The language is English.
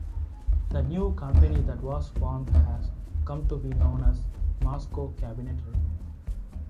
The new company that was formed has come to be known as Masco Cabinetry.